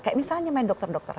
kayak misalnya main dokter dokter